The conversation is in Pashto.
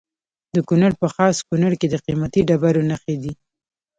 د کونړ په خاص کونړ کې د قیمتي ډبرو نښې دي.